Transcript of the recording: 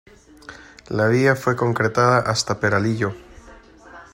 La vía fue concretada hasta Peralillo.